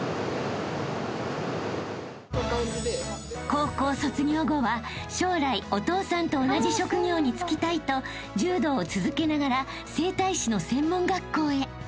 ［高校卒業後は将来お父さんと同じ職業に就きたいと柔道を続けながら整体師の専門学校へ］